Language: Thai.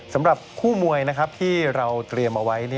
สำหรับคู่มวยที่เราเตรียมเอาไว้